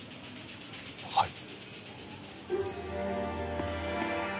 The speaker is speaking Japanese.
はい。